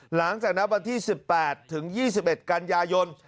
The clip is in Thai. หลังจากนับวันที่๑๘ถึง๒๑กันยายน